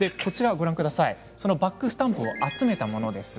バックスタンプを集めたものです。